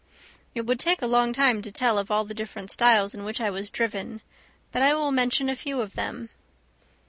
It would take a long time to tell of all the different styles in which I was driven, but I will mention a few of them.